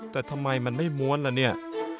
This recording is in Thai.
แต่ทำไมมันไม่ม้วนล่ะเนี่ย